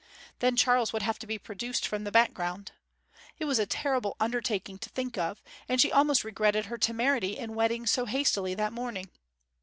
Then Charles would have to be produced from the background. It was a terrible undertaking to think of, and she almost regretted her temerity in wedding so hastily that morning.